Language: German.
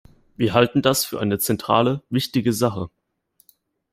Wir halten das für eine zentrale, wichtige Sache.